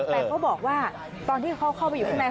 แต่เขาบอกว่าตอนที่เขาเข้าไปอยู่ข้างใน